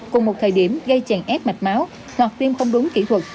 cùng một thời điểm gây chèn ép mạch máu hoặc viêm không đúng kỹ thuật